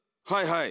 はい。